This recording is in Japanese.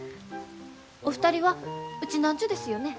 お二人はウチナーンチュですよね？